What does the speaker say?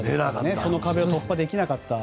その壁を突破できなかった。